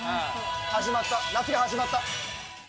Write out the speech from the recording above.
始まった、夏が始まった。